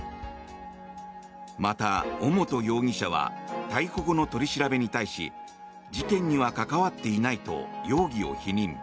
また、尾本容疑者は逮捕後の取り調べに対し事件には関わっていないと容疑を否認。